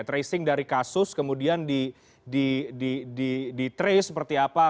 tracing dari kasus kemudian ditrace seperti apa